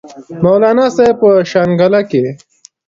مولانا صاحب پۀ شانګله کښې